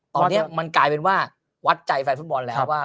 ตอนนี้มันกลายเป็นว่าวัดใจแฟนฟุตบอลแล้วว่า